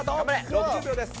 ６０秒です。